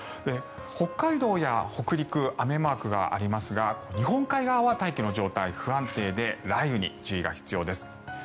北海道や北陸雨マークがありますが日本海側は大気の状態が不安定で雷雨に注意が必要です。